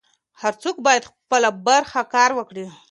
هر څوک بايد خپله برخه کار وکړي.